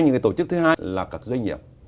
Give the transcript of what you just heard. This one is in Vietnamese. như tổ chức thứ hai là các doanh nghiệp